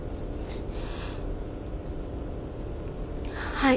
はい。